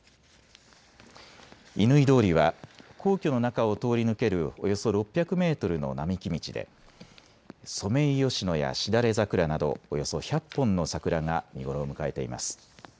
乾通りは皇居の中を通り抜けるおよそ６００メートルの並木道でソメイヨシノやしだれ桜などおよそ１００本の桜が見頃を迎えています。